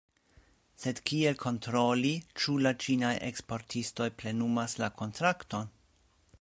Sed kiel kontroli, ĉu la ĉinaj eksportistoj plenumas la kontrakton?